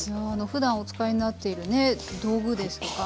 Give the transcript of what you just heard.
ふだんお使いになっているね道具ですとか。